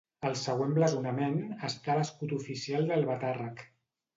El següent blasonament està a l'escut oficial d'Albatàrrec.